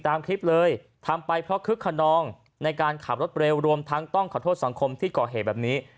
ตามคลิปเลยทำไปเพราะคึกขนองในการขับรถเร็วรวมทั้งต้องขอโทษสังคมที่ก่อเหตุแบบนี้